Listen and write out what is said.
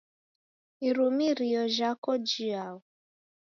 Irumirio jhako jiao?